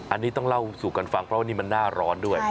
อันนี้ต้องเล่าสู่กันฟังเพราะว่านี่มันหน้าร้อนด้วย